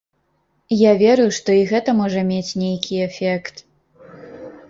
Я веру, што і гэта можа мець нейкі эфект.